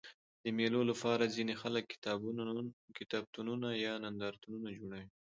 د مېلو له پاره ځيني خلک کتابتونونه یا نندارتونونه جوړوي.